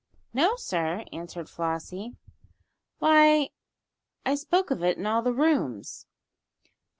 "No, sir," answered Flossie. "Why, I spoke of it in all the rooms."